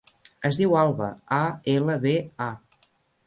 Es diu Alba: a, ela, be, a.